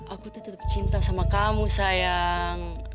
aku tuh tetap cinta sama kamu sayang